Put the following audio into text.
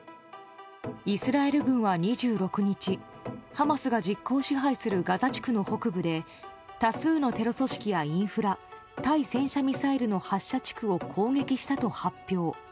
イスラエル軍は２６日ハマスが実効支配するガザ地区の北部で多数のテロ組織やインフラ対戦車ミサイルの発射地区を攻撃したと発表。